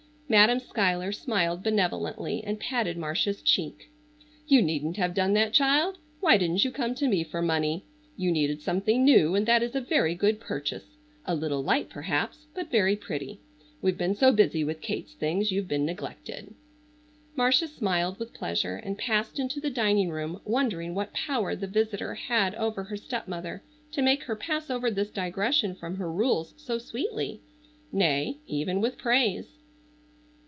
Madam Schuyler smiled benevolently and patted Marcia's cheek. "You needn't have done that, child. Why didn't you come to me for money? You needed something new, and that is a very good purchase, a little light, perhaps, but very pretty. We've been so busy with Kate's things you have been neglected." Marcia smiled with pleasure and passed into the dining room wondering what power the visitor had over her stepmother to make her pass over this digression from her rules so sweetly,—nay, even with praise.